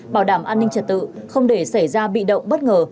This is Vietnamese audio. bảo đảm an ninh trật tự không để xảy ra bị động bất ngờ